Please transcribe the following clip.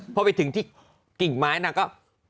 พอไปถึงที่กิ่งไม้นางก็